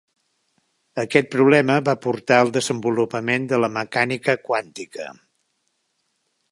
Aquest problema va portar al desenvolupament de la mecànica quàntica.